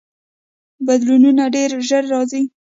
بدلونونه ډیر ژر راځي.